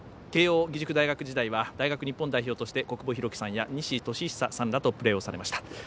慶応義塾大学時代は大学日本代表として小久保裕紀さんや仁志敏久さんらとプレーをされました。